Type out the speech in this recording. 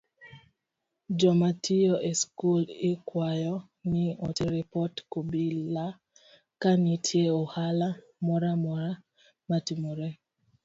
Jomatiyo e skul ikwayo ni oter ripot kobila ka nitie ohala moramora matimore.